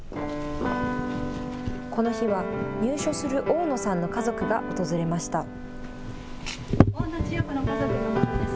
この日は、入所する大野さんの家族が訪れました。